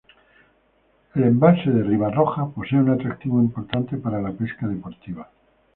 El embalse de Ribarroja posee un atractivo importante para la pesca deportiva.